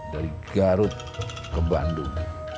dari garut ke bandung